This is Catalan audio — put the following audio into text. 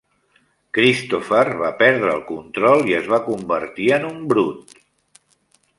Christopher va perdre el control i es va convertir en un Brood.